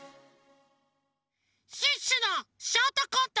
シュッシュのショートコント